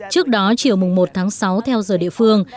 trước đó chiều một tháng sáu theo giờ địa phương